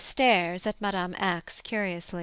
stares at Mme. X curiously.